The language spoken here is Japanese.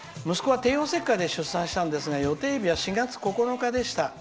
息子は帝王切開で出産したんですが予定日は４月９日でした。